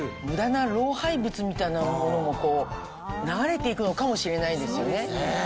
ムダな老廃物みたいなものも流れて行くのかもしれないですよね。